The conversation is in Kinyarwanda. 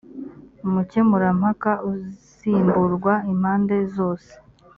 umukemurampaka usimburwa impande zose